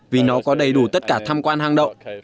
vì nó có đầy đủ tất cả tham quan hang động